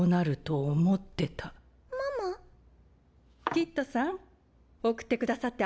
キッドさん送ってくださってありがとう。